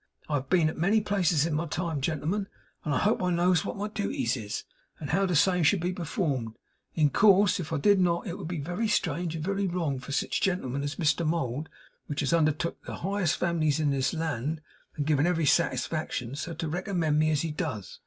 I have been at a many places in my time, gentlemen, and I hope I knows what my duties is, and how the same should be performed; in course, if I did not, it would be very strange, and very wrong in sich a gentleman as Mr Mould, which has undertook the highest families in this land, and given every satisfaction, so to recommend me as he does.